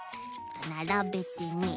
ならべてね。